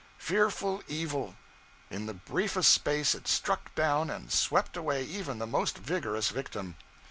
'Fearful evil! In the briefest space it struck down and swept away even the most vigorous victim.